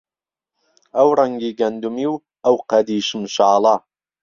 ئهو ڕهنگی گهندومی و ئهو قهدی شمشاڵه